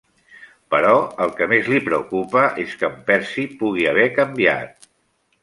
Però el que més li preocupa és que en Percy pugui haver canviat.